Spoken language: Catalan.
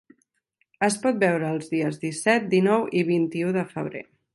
Es pot veure els dies disset, dinou i vint-i-u de febrer.